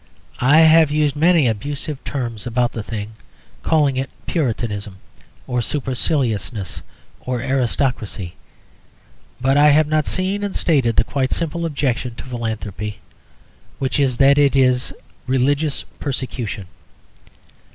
I have used many abusive terms about the thing, calling it Puritanism, or superciliousness, or aristocracy; but I have not seen and stated the quite simple objection to philanthropy; which is that it is religious persecution.